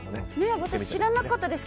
私、知らなかったです。